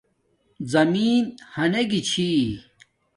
زمین ھانگی چھی